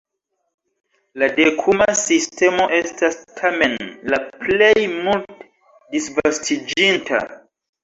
La dekuma sistemo estas tamen la plej multe disvastiĝinta.